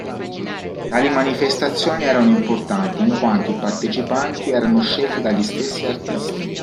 Tali manifestazioni erano importanti in quanto i partecipanti erano scelti dagli stessi artisti.